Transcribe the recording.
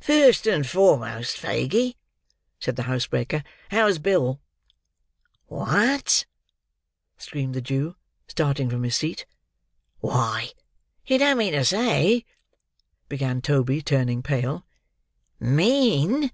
"First and foremost, Faguey," said the housebreaker, "how's Bill?" "What!" screamed the Jew, starting from his seat. "Why, you don't mean to say—" began Toby, turning pale. "Mean!"